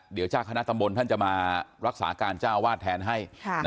เดี๋ยวเจ้าคณะตำบลท่านจะมารักษาการเจ้าวาดแทนให้